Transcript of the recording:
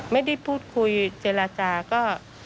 ไม่ได้พูดคุยเจรจาก็